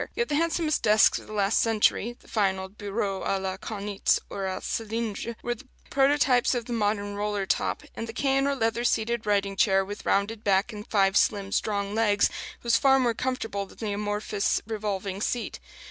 yet the handsomest desks of the last century the fine old bureaux à la Kaunitz or à cylindre were the prototypes of the modern "roller top"; and the cane or leather seated writing chair, with rounded back and five slim strong legs, was far more comfortable than the amorphous revolving seat.